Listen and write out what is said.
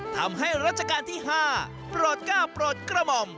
ทำให้รัชกาลที่๕โปรดก้าวโปรดกระหม่อม